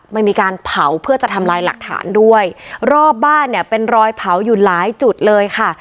ไม่มีการเผาเพื่อจะทำลายหลักฐานด้วยรอบบ้านเนี่ยเป็นรอยเผาอยู่หลายจุดเลยค่ะ